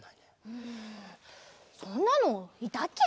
うんそんなのいたっけ？